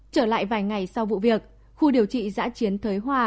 trở lại vài ngày sau vụ việc khu điều trị giã chiến thới hoa